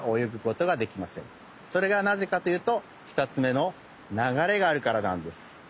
それがなぜかというと２つめの「流れがある」からなんです。